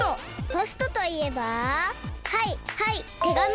ポストといえばはいはいてがみ！